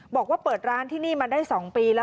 บอกว่าเปิดร้านที่นี่มาได้๒ปีแล้ว